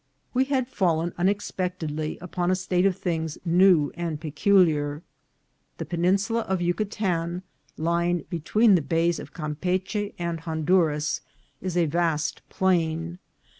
We had fallen unexpectedly upon a state of things new and peculiar. The peninsula of Yucatan, lying between the bays of Campeachy and Honduras, is a vast plain.